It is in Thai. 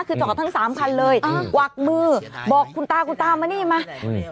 คือจอดทั้งสามคันเลยอ่ากวักมือบอกคุณตาคุณตามานี่มา